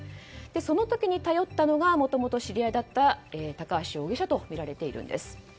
その時に頼ったのがもともと知り合いだった高橋容疑者とみられているんです。